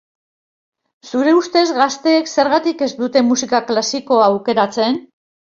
Zure ustez, gazteek zergatik ez dute musika klasikoa aukeratzen?